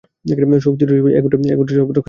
শক্তিধর হিসেবে এ গোত্রের সর্বত্র খ্যাতি ছিল।